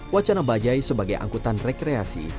wacana bajaj sebagai angkutan rekreasi